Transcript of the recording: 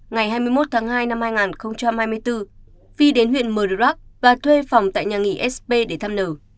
ngày hai mươi một tháng hai năm hai nghìn hai mươi bốn phi đến huyện mờ rắc và thuê phòng tại nhà nghỉ sp để thăm nở